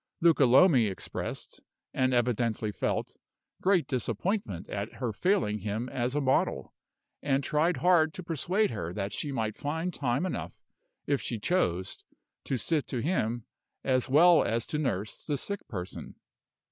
Luca Lomi expressed, and evidently felt, great disappointment at her failing him as a model, and tried hard to persuade her that she might find time enough, if she chose, to sit to him, as well as to nurse the sick person.